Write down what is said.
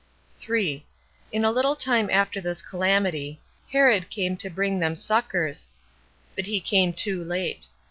3. In a little time after this calamity, Herod came to bring them succors; but he came too late.